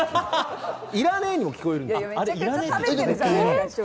いらねえとも聞こえる。